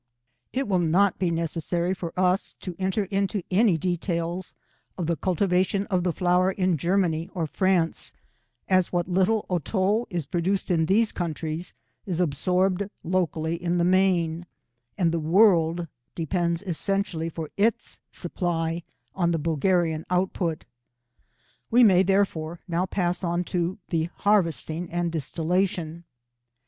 It will not be necessary for us to enter into any details of the cultivation of the flower in Germany or France, as what little otto is produced in these countries is absorbed locally in the main, and the world depends essentially for its supply on the Bulgarian output. We may therefore now pass on to III. THE HARVESTING AND DISTILLATION.